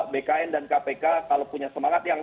bkn dan kpk kalau punya semangat yang